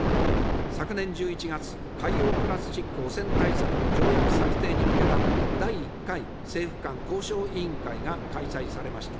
昨年１１月、海洋プラスチック汚染対策の条約策定に向けた、第１回政府間交渉委員会が開催されました。